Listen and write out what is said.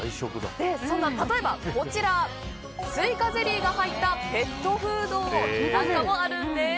例えば、こちらのスイカゼリーが入ったペットフードもあるんです。